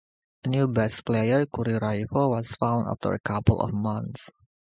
A new bass player, KuriRaivo, was found after a couple of months.